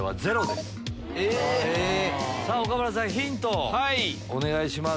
さぁ岡村さんヒントをお願いします。